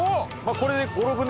これで。